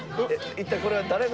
一体これは誰の？